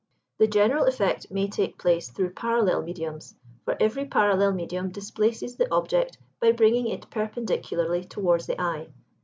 The general effect may take place through parallel mediums, for every parallel medium displaces the object by bringing it perpendicularly towards the eye.